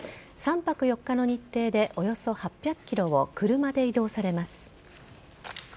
３泊４日の日程でおよそ８００ｋｍを車で移動されます。